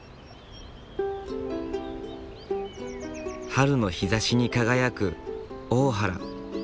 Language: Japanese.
春の日ざしに輝く大原。